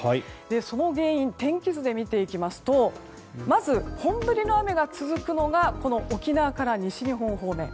その原因を天気図で見ていきますとまず、本降りの雨が続くのが沖縄から西日本方面。